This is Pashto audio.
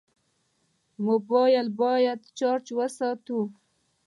موبایل مو باید چارج وساتو.